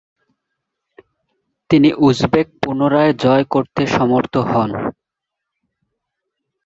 তিনি উজবেক পুনরায় জয় করতে সমর্থ হন।